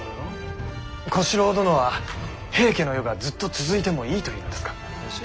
小四郎殿は平家の世がずっと続いてもいいというのですか？